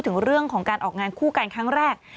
ถึงเรื่องของการออกงานคู่กันครั้งแรก